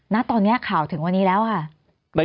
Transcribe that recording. ณตอนนี้ข่าวถึงวันนี้แล้วค่ะ